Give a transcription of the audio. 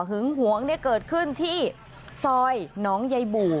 หวงเกิดขึ้นที่ซอยหนองใยบู่